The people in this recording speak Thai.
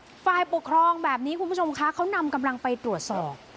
ฝ่ายปกครองแบบนี้คุณผู้ชมคะเขานำกำลังไปตรวจสอบ